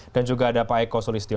dan juga ada pak eko sulistyo